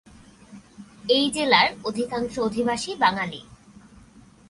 এই জেলার অধিকাংশ অধিবাসী বাঙালি।